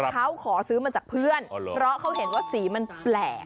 เขาขอซื้อมาจากเพื่อนเพราะเขาเห็นว่าสีมันแปลก